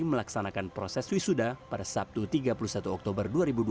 melaksanakan proses wisuda pada sabtu tiga puluh satu oktober dua ribu dua puluh